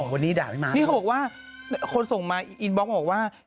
วันนี้ด่าพี่ม้านี่เขาบอกว่าคนส่งมาอินบล็กซ์บอกว่า